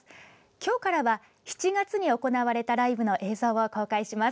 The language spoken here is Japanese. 今日からは７月２１日に行われたライブの映像を公開します。